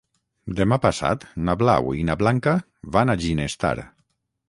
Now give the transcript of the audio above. Demà passat na Blau i na Blanca van a Ginestar.